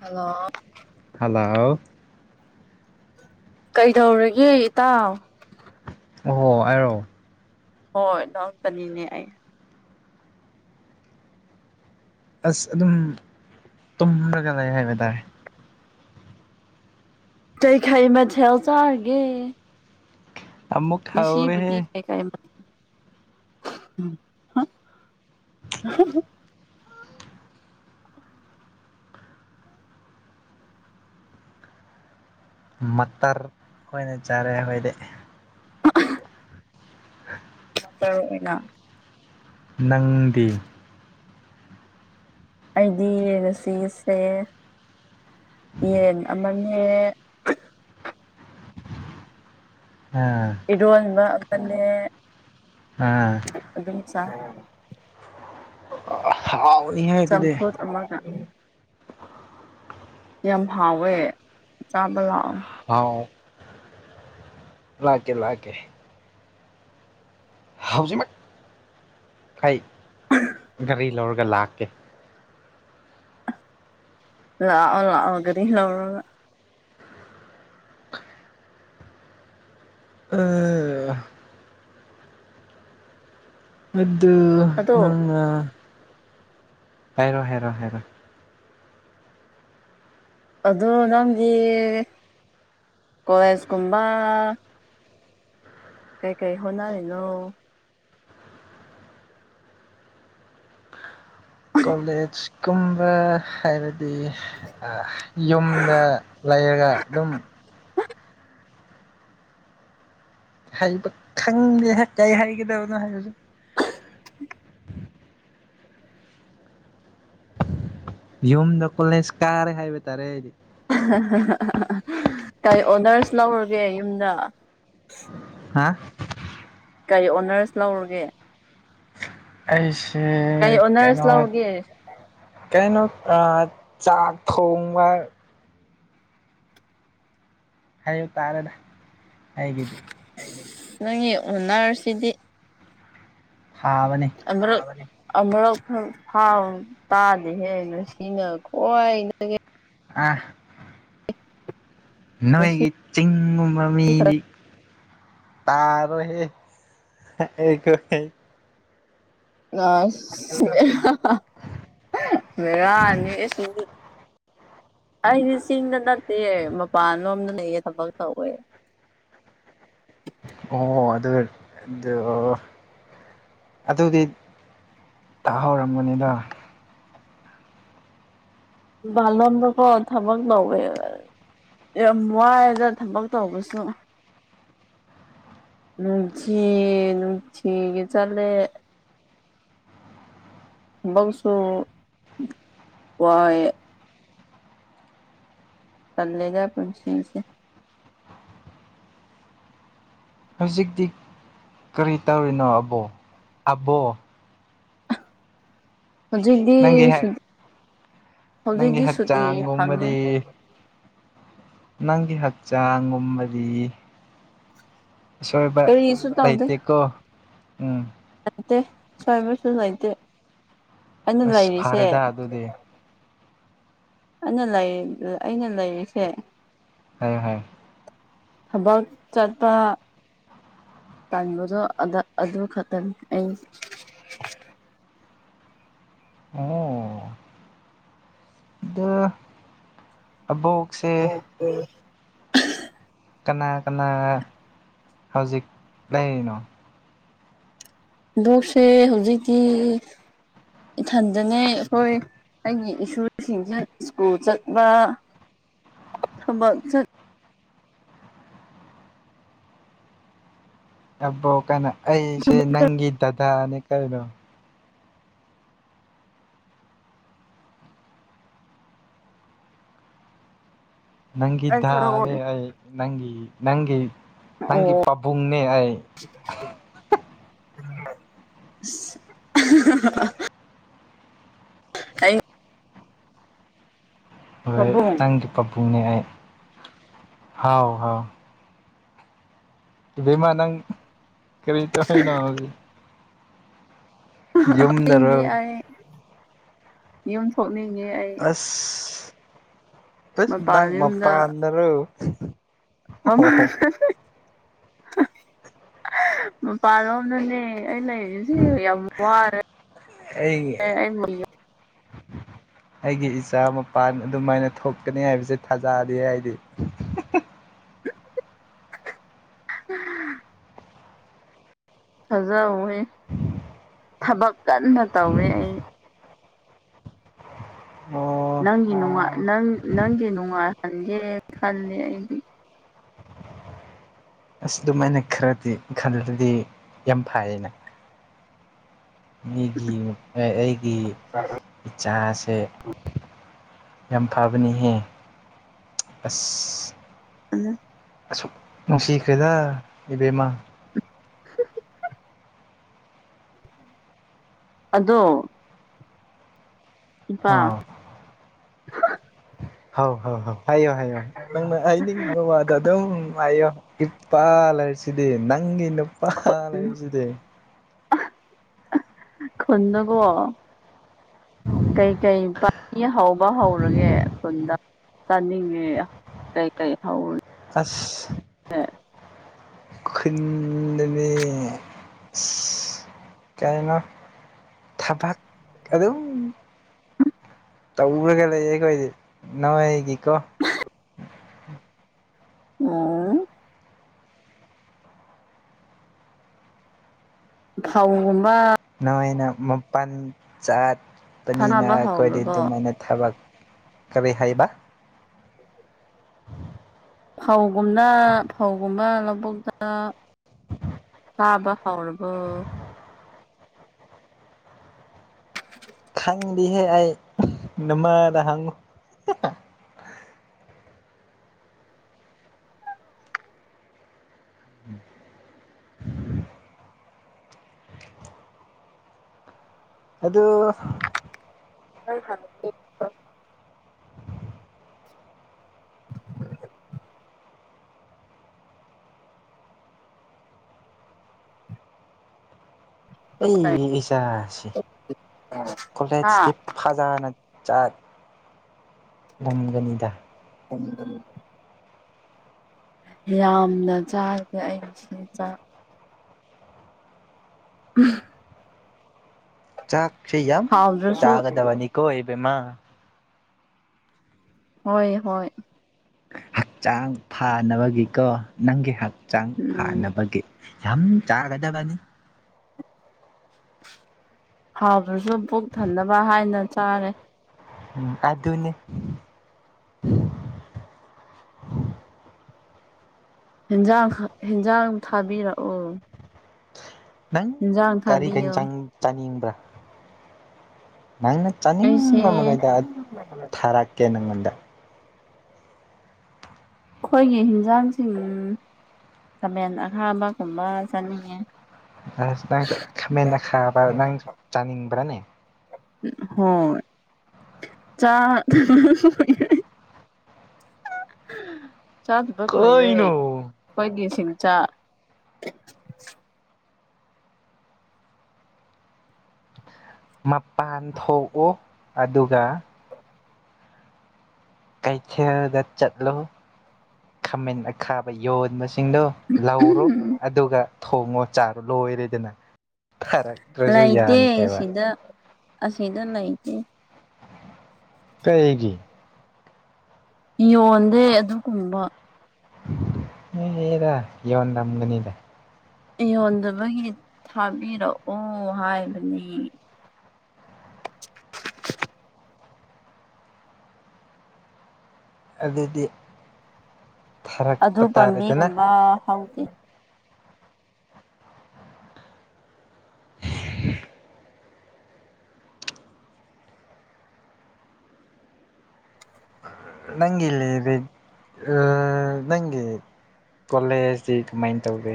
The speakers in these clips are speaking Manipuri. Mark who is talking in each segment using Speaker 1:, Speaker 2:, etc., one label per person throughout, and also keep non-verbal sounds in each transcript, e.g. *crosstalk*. Speaker 1: ꯍꯜꯂꯣ꯫
Speaker 2: ꯍꯜꯂꯣ꯫
Speaker 1: ꯀꯩꯗꯧꯔꯒꯦ ꯏꯇꯥꯎ꯫
Speaker 2: ꯑꯣ ꯍꯥꯏꯑꯣ꯫
Speaker 1: ꯍꯣꯏ ꯂꯥꯛꯇꯅꯤꯅꯦ ꯑꯩ꯫
Speaker 2: ꯑꯁ ꯑꯗꯨꯝ ꯇꯨꯝꯔꯒ ꯂꯩ ꯍꯥꯏꯕ ꯇꯥꯔꯦ꯫
Speaker 1: ꯀꯩꯈꯩ ꯃꯊꯦꯜ ꯆꯥꯔꯒꯦ꯫
Speaker 2: ꯑꯃꯨꯛ
Speaker 1: ꯉꯁꯤꯕꯨꯗꯤ
Speaker 2: ꯍꯧꯔꯦꯍꯦ
Speaker 1: ꯀꯩ ꯀꯥꯏ *unintelligible*
Speaker 2: ꯃꯇꯔ ꯑꯣꯏꯅ ꯆꯥꯔꯦ ꯑꯩꯈꯣꯏꯗꯤ꯫
Speaker 1: *unintelligible*
Speaker 2: *unintelligible*
Speaker 1: ꯇꯔꯨ ꯑꯣꯏꯅ꯫
Speaker 2: ꯅꯪꯗꯤ꯫
Speaker 1: ꯑꯩꯗꯤ ꯌꯦꯟꯁꯤꯁꯦ ꯌꯦꯟ ꯑꯃꯅꯦ꯫
Speaker 2: ꯑ꯫
Speaker 1: ꯏꯔꯣꯟꯕ ꯑꯃꯅꯦ꯫
Speaker 2: ꯑ꯫
Speaker 1: ꯑꯗꯨꯝ ꯆꯥꯏ꯫
Speaker 2: ꯍꯥꯎꯔꯅꯤꯍꯦ ꯑꯗꯨꯗꯤ꯫
Speaker 1: ꯑꯃꯥꯒ꯫ ꯌꯥꯝ ꯍꯥꯎꯋꯦ ꯆꯥꯕ ꯂꯥꯛꯑꯣ꯫
Speaker 2: ꯍꯥꯎ ꯂꯥꯛꯀꯦ ꯂꯥꯛꯀꯦ꯫ ꯍꯧꯖꯤꯛꯃꯛ ꯑꯩꯩ ꯒꯥꯔꯤ ꯂꯧꯔꯒ ꯂꯥꯛꯀꯦ꯫
Speaker 1: ꯂꯥꯛꯑꯣ ꯂꯥꯛꯑꯣ ꯒꯥꯔꯤ ꯂꯧꯔꯒ꯫
Speaker 2: ꯑ꯫ ꯑ꯫ ꯑꯗꯨ
Speaker 1: ꯑꯗꯣ
Speaker 2: ꯅꯪꯅ ꯍꯥꯏꯔꯣ ꯍꯥꯏꯔꯣ ꯍꯥꯏꯔꯣ꯫
Speaker 1: ꯑꯗꯨ ꯅꯪꯒꯤ ꯀꯣꯂꯦꯖꯀꯨꯝꯕ꯫ ꯀꯩ ꯀꯩ ꯍꯣꯠꯅꯔꯤꯅꯣ꯫
Speaker 2: ꯀꯣꯂꯦꯖ꯫ ꯀꯨꯝꯕ ꯍꯥꯏꯕꯗꯤ꯫
Speaker 1: ꯎ
Speaker 2: ꯑ ꯌꯨꯝꯗ ꯂꯩꯔꯒ ꯑꯗꯨꯝ꯫ ꯍꯩꯕ ꯈꯪꯗꯦ ꯍꯦꯛ ꯀꯩ ꯍꯥꯏꯒꯗꯕꯅꯣ ꯍꯥꯏꯕꯁꯨ꯫ ꯌꯨꯝꯗ ꯀꯣꯂꯦꯖ ꯀꯥꯔꯦ ꯍꯥꯏꯕ ꯇꯥꯔꯦ ꯑꯩꯗꯤ꯫
Speaker 1: ꯀꯩ ꯑꯣꯅꯔꯁ ꯂꯧꯔꯒꯦ ꯌꯨꯝꯗ꯫
Speaker 2: ꯍꯥꯥ꯫
Speaker 1: ꯀꯩ ꯑꯣꯅꯔꯁ ꯂꯧꯔꯒꯦ꯫
Speaker 2: ꯑꯩꯁꯦ
Speaker 1: ꯀꯩ ꯑꯣꯅꯔꯁ
Speaker 2: ꯀꯩꯅꯣ꯫
Speaker 1: ꯂꯧꯒꯦ
Speaker 2: ꯀꯩꯅꯣ ꯑꯥ ꯆꯥꯛ ꯊꯣꯡꯕ꯫ ꯍꯥꯏꯕ ꯇꯥꯔꯦꯗ꯫ ꯑꯩꯒꯤ
Speaker 1: ꯅꯪꯏꯒꯤ ꯑꯣꯟꯅꯔꯁꯤꯗꯤ꯫
Speaker 2: ꯊꯥꯕꯅꯤ꯫
Speaker 1: ꯑꯃꯔꯛ꯫ ꯑꯃꯔꯛꯥ ꯇꯥꯗꯦꯍꯦ ꯉꯁꯤꯅ ꯈꯧꯗꯒꯤ꯫
Speaker 2: ꯍꯥ꯫
Speaker 1: ꯉꯁꯤ
Speaker 2: ꯅꯣꯏꯒꯤ ꯆꯤꯡꯒꯨꯝꯕ
Speaker 1: ꯈꯔ
Speaker 2: ꯃꯤꯗꯤ꯫ ꯇꯔꯣ ꯍꯦ꯫
Speaker 1: ꯑꯁ ꯕꯦꯔꯅꯤ *unintelligible* ꯑꯩꯗꯤ ꯆꯤꯡꯗ ꯅꯠꯇꯦ ꯃꯄꯥꯟ ꯂꯣꯝꯗ ꯂꯩꯌꯦ ꯊꯕꯛ ꯇꯧꯋꯦ꯫
Speaker 2: ꯑꯣ ꯑꯗꯨ꯫ ꯑꯗꯨꯗꯤ ꯇꯥꯍꯧꯔꯝꯕꯅꯤꯗ꯫
Speaker 1: ꯃꯄꯜꯂꯣꯝꯗ ꯀꯣ ꯊꯕꯛ ꯇꯧꯌꯦ꯫ ꯌꯥꯝ ꯋꯥꯏ ꯑꯗ ꯊꯕꯛ ꯇꯧꯕꯁꯨ꯫ ꯅꯨꯡꯊꯤ ꯅꯨꯡꯊꯤꯒꯤ ꯆꯥꯠꯂꯦ꯫ ꯊꯕꯛꯁꯨ ꯋꯥꯌꯦ꯫ ꯇꯥꯜꯂꯦꯗ ꯄꯨꯟꯁꯤꯁꯦ꯫
Speaker 2: ꯍꯧꯖꯤꯛꯇꯤ ꯀꯔꯤ ꯇꯧꯔꯤꯅꯣ ꯑꯕꯣ ꯑꯕꯣ꯫
Speaker 1: ꯍꯧꯖꯤꯛꯇꯤ
Speaker 2: ꯅꯪꯒꯤ
Speaker 1: ꯁꯨꯤ
Speaker 2: ꯅꯪꯒꯤ
Speaker 1: ꯍꯧꯖꯤꯛꯇꯤ ꯁꯨꯇꯤ ꯐꯪꯉꯦ꯫
Speaker 2: ꯍꯛꯆꯥꯡꯒꯨꯝꯕꯗꯤ ꯅꯪꯒꯤ ꯍꯛꯆꯥꯡ ꯒꯨꯝꯕꯗꯤ꯫ ꯑꯁꯣꯏꯕ
Speaker 1: ꯀꯔꯤꯁꯨ
Speaker 2: ꯂꯩꯇꯦꯀꯣ ꯎꯝ꯫
Speaker 1: ꯅꯥꯠꯇꯦ ꯑꯁꯣꯏꯕꯁꯨ ꯂꯩꯇꯦ ꯑꯩꯅ
Speaker 2: ꯑꯁ
Speaker 1: ꯂꯩꯔꯤꯁꯦ꯫
Speaker 2: ꯐꯔꯦꯗ ꯑꯗꯨꯗꯤ
Speaker 1: ꯑꯩꯅ ꯂꯩ ꯂꯩ ꯑꯩꯅ ꯂꯩꯔꯤꯁꯦ꯫
Speaker 2: ꯐꯥꯏꯌꯦ ꯐꯥꯏꯌꯦ꯫
Speaker 1: ꯊꯕꯛ ꯆꯥꯠꯄ꯫ ꯇꯥꯟꯕꯗꯨ ꯑꯗꯥ ꯑꯗꯨꯈꯛꯇꯅꯤ ꯑꯩ ꯫
Speaker 2: ꯑꯣ ꯑꯗꯥ‌ ꯑꯕꯣꯛ꯫
Speaker 1: Good day.
Speaker 2: ꯀꯅꯥ ꯀꯅꯥ ꯍꯧꯖꯤꯛ ꯂꯩꯔꯤꯅꯣ꯫
Speaker 1: ꯑꯗꯨꯁꯦ ꯍꯧꯖꯤꯛꯇꯤ ꯏꯊꯟꯗꯅꯦ ꯑꯩꯈꯣꯏ꯫ ꯑꯩꯒꯤ ꯏꯁꯨꯁꯤꯡꯁꯦ ꯁ꯭ꯀꯨꯜ ꯆꯠꯄ ꯊꯕꯛ ꯆꯠ꯫
Speaker 2: ꯑꯕꯣꯛ ꯀꯥꯏꯅ ꯑꯩꯁꯦ ꯅꯪꯒꯤ ꯗꯗꯥꯅꯦ ꯀꯩꯅꯣ꯫ ꯅꯪꯒꯤ
Speaker 1: ꯑꯩ ꯈꯔ
Speaker 2: ꯗꯥꯅꯦ
Speaker 1: ꯑꯣꯏꯔꯦ
Speaker 2: ꯑꯩ ꯅꯪꯒꯤ ꯅꯪꯒꯤ
Speaker 1: ꯑꯣ
Speaker 2: ꯅꯪꯒꯤ ꯄꯥꯕꯨꯡꯅꯦ ꯑꯩ꯫
Speaker 1: *unintelligible* *unintelligible*
Speaker 2: ꯍꯣꯏ
Speaker 1: ꯄꯥꯕꯨꯡ
Speaker 2: ꯅꯪꯒꯤ ꯄꯥꯕꯨꯡꯅꯦ ꯑꯩ ꯍꯥꯎ ꯍꯥꯎ꯫ ꯏꯕꯦꯃꯥ ꯅꯪ ꯀꯔꯤ ꯇꯧꯔꯤꯅꯣ ꯍꯧꯖꯤꯛ꯫ ꯌꯨꯝꯗꯔꯣ
Speaker 1: ꯀꯥꯞꯅꯤꯡꯉꯦ ꯑꯩ ꯌꯨꯝ ꯊꯣꯛꯅꯤꯡꯉꯦ ꯑꯩ꯫
Speaker 2: ꯏꯁ
Speaker 1: ꯃꯄꯥꯟ
Speaker 2: ꯅꯪ
Speaker 1: ꯌꯨꯝꯗ
Speaker 2: ꯃꯄꯥꯟꯗꯔꯣ꯫
Speaker 1: ꯃꯥꯝ *unintelligible* ꯃꯄꯥꯟꯂꯣꯝꯗꯅꯦ ꯑꯩ ꯂꯩ꯫ ꯌꯥꯝ ꯋꯥꯔꯦ ꯑꯩ ꯑꯣꯏꯅꯥ꯫
Speaker 2: ꯑꯩꯒꯤ ꯏꯆꯥ ꯃꯄꯥꯟ ꯑꯗꯨꯃꯥꯏꯅ ꯊꯣꯛꯀꯅꯤ ꯍꯥꯏꯕꯁꯦ ꯊꯥꯖꯗꯦ ꯑꯩ ꯗꯤ꯫
Speaker 1: ꯎꯝ *unintelligible* ꯊꯥꯖꯧꯍꯦ ꯊꯕꯛ ꯀꯟꯅ ꯇꯧꯑꯦ ꯑꯩ꯫
Speaker 2: ꯑꯣ
Speaker 1: ꯅꯪꯒꯤ ꯅꯨꯡꯉꯥꯏ ꯅꯪ ꯅꯪꯒꯤ ꯅꯨꯡꯉꯥꯏꯍꯟꯒꯦ ꯈꯜꯂꯦ ꯑꯩꯗꯤ꯫
Speaker 2: ꯑꯁ ꯑꯗꯨꯝ ꯃꯥꯏꯅ ꯈꯔꯗꯤ ꯈꯜꯂꯕꯗꯤ ꯌꯥꯝ ꯐꯩꯅꯥ꯫ ꯃꯤꯒꯤ ꯑꯦ ꯑꯩꯒꯤ ꯏꯆꯥꯁꯦ꯫ ꯌꯥꯝ ꯐꯥꯕꯅꯤꯍꯦ ꯑꯁ꯫
Speaker 1: ꯎꯝ꯫
Speaker 2: ꯑꯁꯨꯛ ꯅꯨꯡꯁꯤꯈ꯭ꯔꯦꯗ ꯏꯕꯦꯝꯃ꯫
Speaker 1: *inaudible* ꯑꯗꯣ ꯏꯄꯥ
Speaker 2: ꯎꯝ ꯍꯧ ꯍꯧ ꯍꯧ ꯍꯥꯏꯌꯣ ꯍꯥꯏꯌꯣ ꯅꯪꯅ ꯍꯥꯏꯅꯤꯡ ꯋꯥꯗꯣ ꯑꯗꯨꯝ ꯍꯥꯏꯌꯣ ꯏꯄꯥ ꯂꯩꯔꯤꯁꯤꯗꯤ ꯅꯪꯒꯤ ꯅꯨ ꯑꯍꯥ ꯂꯩꯔꯤꯁꯤꯗꯤ
Speaker 1: ꯑꯍꯥ ꯑꯥ ꯈꯣꯟꯗꯣ ꯀꯣ ꯀꯩꯀꯩ ꯄꯅꯤ ꯍꯧꯕ ꯍꯧꯔꯒꯦ ꯈꯨꯟꯗ *inaudible* *unintelligible* ꯆꯥꯅꯤꯡꯉꯦ ꯀꯩ ꯀꯩ ꯍꯧꯔ
Speaker 2: ꯑꯥꯁ
Speaker 1: *unintelligible*
Speaker 2: ꯈꯨꯟꯗꯅꯦ ꯁꯤ ꯀꯩꯅꯣ ꯊꯕꯛ ꯑꯗꯨꯝ ꯇꯧꯔꯒ ꯂꯩꯌꯦ ꯑꯩꯈꯣꯏꯗꯤ ꯅꯣꯏꯒꯤꯀꯣ
Speaker 1: *unintelligible* *inaudible* *inaudible*
Speaker 2: ꯅꯣꯏꯅ ꯃꯄꯟ ꯆꯥꯠꯄꯅꯤꯅ
Speaker 1: ꯊꯥꯅꯕ
Speaker 2: ꯑꯩꯈꯣꯏꯗꯤ
Speaker 1: ꯍꯧꯔꯕꯣ
Speaker 2: ꯑꯗꯨꯃꯥꯏꯅ ꯊꯕꯛ ꯀꯔꯤ ꯍꯥꯏꯕ
Speaker 1: ꯐꯧꯒꯨꯝꯅ ꯐꯧꯒꯨꯝꯕ ꯂꯧꯕꯨꯛꯇ ꯀꯥꯕ ꯍꯧꯔꯕꯣ *unintelligible*
Speaker 2: ꯈꯪꯗꯦꯍꯦ ꯑꯩ ꯅꯃꯥꯗ ꯍꯪꯉꯨ *inaudible* *unintelligible* ꯑꯗꯨ
Speaker 1: *unintelligible*
Speaker 2: ꯑꯩ ꯏꯆꯥꯁꯤ ꯀꯣꯂꯦꯖꯗꯤ
Speaker 1: ꯍꯥ
Speaker 2: ꯐꯖꯅ ꯆꯠ ꯉꯝꯒꯅꯤꯗ
Speaker 1: *inaudible* ꯌꯥꯝꯅ ꯆꯥꯔꯒꯦ ꯑꯩꯁꯦ ꯆꯥꯛ ꯎꯝ
Speaker 2: ꯆꯥꯛ ꯁꯤ ꯌꯥꯝ
Speaker 1: ꯍꯥꯎꯗ꯭ꯔꯁꯨ
Speaker 2: ꯆꯥꯒꯗꯕꯅꯤꯀꯣ ꯏꯕꯦꯝꯃ
Speaker 1: ꯍꯣꯏ ꯍꯣꯏ
Speaker 2: ꯍꯛꯆꯥꯡ ꯐꯥꯅꯕꯒꯤꯀꯣ ꯅꯪꯒꯤ ꯍꯛꯆꯥꯡ
Speaker 1: ꯎꯝ
Speaker 2: ꯐꯥꯅꯕꯒꯤ ꯌꯥꯝ ꯆꯥꯒꯗꯕꯅꯤ
Speaker 1: ꯍꯥꯎꯇ꯭ꯔꯁꯨ ꯄꯨꯛ ꯊꯟꯅꯅꯕ ꯍꯥꯏꯅ ꯆꯥꯔꯦ꯫
Speaker 2: ꯎꯝ ꯑꯗꯨꯅꯤ
Speaker 1: ꯍꯦꯟꯖꯥꯡ ꯈꯛ ꯍꯦꯟꯖꯥꯡ ꯊꯥꯕꯤꯔꯛꯑꯣ꯫
Speaker 2: ꯅꯪ
Speaker 1: ꯍꯦꯟꯖꯥꯡ
Speaker 2: ꯀꯔꯤ
Speaker 1: ꯊꯥꯕꯤꯌꯣ
Speaker 2: ꯍꯦꯟꯖꯥꯡ ꯆꯥꯅꯤꯡꯕ꯭ꯔꯥ ꯅꯪꯅ
Speaker 1: ꯑꯩꯁꯦ
Speaker 2: ꯆꯥꯅꯤꯡꯕꯃꯒꯩꯗ ꯊꯥꯔꯛꯀꯦ ꯅꯪꯉꯣꯟꯗ
Speaker 1: ꯑꯩꯈꯣꯏꯒꯤ ꯍꯤꯟꯖꯥꯡꯁꯤꯡ ꯈꯥꯃꯦꯟ ꯑꯈꯥꯕ ꯀꯨꯝꯕ ꯆꯥꯅꯤꯡꯉꯦ
Speaker 2: ꯑꯁ ꯅꯪꯁꯨ ꯈꯥꯃꯦꯟ ꯑꯈꯥꯕ ꯅꯪꯁꯨ ꯆꯥꯅꯤꯡꯕ꯭ꯔꯥꯅꯦ
Speaker 1: ꯍꯣꯏ ꯆꯥ ꯍꯍꯍ ꯆꯥꯗꯕ ꯀꯨꯏꯔꯦ
Speaker 2: ꯀꯩꯅꯣ
Speaker 1: ꯈꯣꯏꯒꯤ ꯁꯤꯡ ꯆꯥ
Speaker 2: ꯃꯄꯥꯟ ꯊꯣꯛꯑꯣ ꯑꯗꯨꯒ ꯀꯩꯊꯦꯜꯗ ꯆꯠꯂꯣ ꯈꯥꯃꯦꯟ ꯑꯈꯥꯕ ꯌꯣꯟꯕꯁ ꯁꯤꯡꯗꯣ ꯂꯧꯔꯣ ꯑꯗꯨꯒ ꯊꯣꯡꯉꯣ ꯆꯥꯔꯣ ꯂꯣꯏꯔꯦꯗꯅ ꯊꯔꯛ
Speaker 1: ꯂꯩꯇꯦ ꯑꯁꯤꯗ ꯑꯁꯤꯗ ꯂꯩꯇꯦ
Speaker 2: ꯀꯩꯒꯤ
Speaker 1: ꯌꯣꯟꯗꯦ ꯑꯗꯨꯒꯨꯝꯕ
Speaker 2: ꯍꯦꯔꯥ ꯌꯣꯟꯂꯝꯒꯅꯤꯗꯥ꯫
Speaker 1: ꯌꯣꯟꯗꯕꯒꯤ ꯊꯥꯕꯤꯔꯛꯑꯣ ꯍꯥꯏꯕꯅꯤ꯫
Speaker 2: ꯑꯗꯨꯗꯤ ꯊꯥꯔꯛꯄ ꯇꯥꯔꯦꯗꯅ꯫
Speaker 1: ꯑ ꯍꯧꯗꯦ
Speaker 2: *inaudible* ꯅꯪꯒꯤ ꯂꯤꯔꯤꯛ ꯑ ꯅꯪꯒꯤ ꯀꯣꯂꯦꯖꯗꯤ ꯀꯃꯥꯏꯟ ꯇꯧꯒꯦ꯫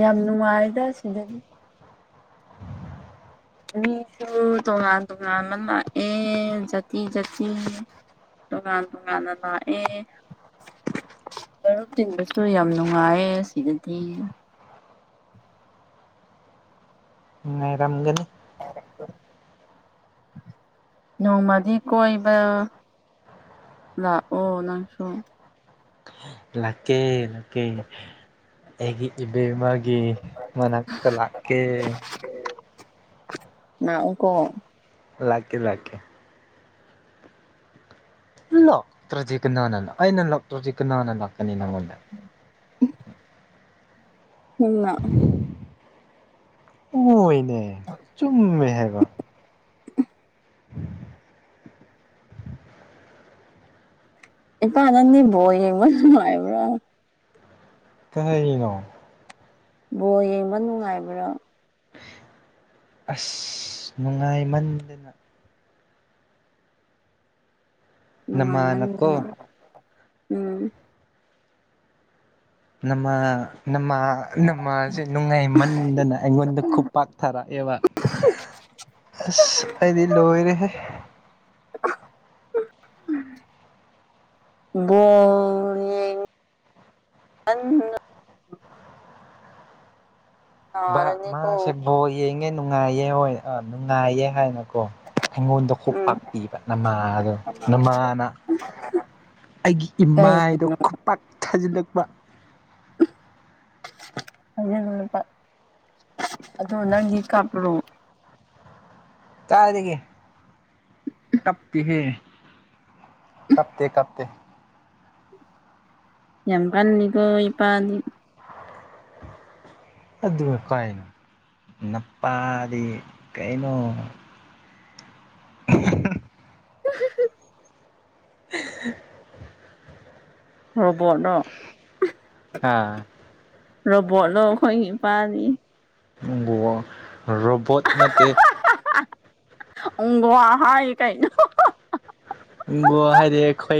Speaker 1: ꯌꯥꯝ ꯅꯨꯡꯉꯥꯏꯗ ꯁꯤꯗꯗꯤ ꯃꯤꯁꯨ ꯇꯣꯉꯥꯟ ꯇꯣꯉꯥꯟꯕ ꯂꯥꯛꯑꯦ ꯖꯥꯇꯤ ꯖꯥꯇꯤ ꯇꯣꯉꯥꯟ ꯇꯣꯉꯥꯟꯅ ꯂꯥꯛꯑꯦ꯫ ꯃꯔꯨꯞ ꯇꯤꯟꯕꯁꯨ ꯌꯥꯝ ꯅꯨꯡꯉꯥꯏꯌꯦ ꯁꯤꯗꯗꯤ꯫
Speaker 2: ꯅꯨꯡꯉꯥꯏꯔꯝꯒꯅꯤ
Speaker 1: ꯅꯣꯡꯃꯗꯤ ꯀꯣꯏꯕ ꯂꯥꯛꯑꯣ ꯅꯪꯁꯨ
Speaker 2: ꯂꯥꯛꯀꯦ ꯂꯥꯛꯀꯦ ꯑꯩꯒꯤ ꯏꯕꯦꯝꯃꯒꯤ ꯃꯅꯥꯛꯇ ꯂꯥꯛꯀꯦ꯫
Speaker 1: ꯂꯥꯛꯎꯀꯣ
Speaker 2: ꯂꯥꯛꯀꯦ ꯂꯥꯛꯀꯦ ꯂꯥꯛꯇ꯭ꯔꯗꯤ ꯀꯅꯥꯅ ꯑꯩꯅ ꯂꯥꯛꯇ꯭ꯔꯗꯤ ꯀꯅꯥꯅ ꯂꯥꯛꯀꯅꯤ ꯅꯪꯉꯣꯟꯗ
Speaker 1: ꯅꯪ ꯂꯥꯛꯑꯦ
Speaker 2: ꯍꫭꯏꯅꯦ ꯆꯨꯝꯃꯦ ꯍꯥꯏꯕ *inaudible*
Speaker 1: ꯏꯄꯥ ꯅꯪꯗꯤ ꯕꫭꯜ ꯌꯦꯡꯕ ꯅꯨꯡꯉꯥꯏꯕ꯭ꯔꫭ
Speaker 2: ꯀꯩꯍꯥꯏꯅꯣ
Speaker 1: ꯕꯣꯜ ꯌꯦꯡꯕ ꯅꯨꯡꯉꯥꯏꯕ꯭ꯔꯥ
Speaker 2: ꯑꯁ ꯅꯨꯡꯉꯥꯏꯃꯟꯗꯅ ꯅꯃꯅꯀꯣ
Speaker 1: ꯅꯨꯡꯉꯥꯏꯃꯟꯗꯅ ꯎꯝ
Speaker 2: ꯅꯃ ꯅꯃꯥ ꯅꯃꯥꯁꯦ ꯅꯨꯡꯉꯥꯏꯃꯟꯗꯅ ꯑꯩꯉꯣꯟꯗ ꯈꯨꯄꯥꯛꯊꯔꯛꯑꯦꯕ
Speaker 1: *unintelligible*
Speaker 2: ꯑꯁ ꯑꯩꯗꯤ ꯂꯣꯏꯔꯦꯍꯦ
Speaker 1: ꯕꫭꯜ ꯑꯣ ꯌꯦꯡ ꯑꯥꯟꯅ
Speaker 2: ꯕꯥ ꯃꯥꯁꯦ
Speaker 1: ꯅꯥꯔꯅꯤꯀꯣ
Speaker 2: ꯕꯣꯜ ꯌꯦꯡꯉꯦ ꯅꯨꯡꯉꯥꯏꯌꯦ ꯍꯣꯏ ꯑ ꯅꯨꯡꯉꯥꯏꯌꯦ ꯍꯥꯏꯅ ꯀꯣ ꯑꯩꯉꯣꯟꯗ ꯈꯨ
Speaker 1: ꯎꯝ
Speaker 2: ꯄꯥꯛꯄꯤꯕ ꯅꯃꯥ ꯑꯗꯣ ꯅꯃꯥꯅ ꯑꯩꯒꯤ ꯏꯃꯥꯏꯗꯣ ꯈꯨꯄꯥꯛ ꯊꯥꯖꯤꯜꯂꯛꯄ
Speaker 1: *inaudible* ꯑꯂ ꯂꯨꯄꯥ ꯑꯗꯨ ꯅꯪꯒꯤ ꯀꯥꯞꯄꯔꯣ
Speaker 2: ꯀꯥꯏꯗꯒꯤ ꯀꯞꯇꯦꯍꯦ ꯀꯞꯇꯦ ꯀꯞꯇꯦ
Speaker 1: ꯌꯥꯝ ꯀꯥꯟꯅꯤꯀꯣ ꯏꯄꯥꯗꯤ
Speaker 2: ꯑꯗꯨꯒ ꯀꯥꯏꯅꯣ ꯅꯨꯄꯥꯗꯤ ꯀꯩꯅꯣ *inaudible*
Speaker 1: *unintelligible*
Speaker 2: *inaudible*
Speaker 1: ꯔꫭꯕꫭꯠ ꯂꫭ
Speaker 2: ꯍꯥ
Speaker 1: ꯔꫭꯕꫭꯠ ꯂꫭ ꯑꯩꯈꫭꯏꯒꯤ ꯏꯄꯥꯗꯤ
Speaker 2: ꯅꯪꯕꯨ ꯔꯣꯕꯣꯠ ꯅꯠꯇꯦ
Speaker 1: ꯎꯒꯣ ꯍꯥꯏꯅꯤ ꯀꯩꯅꯣ
Speaker 2: ꯍꯥꯏꯗꯤ ꯑꯈꯣꯏ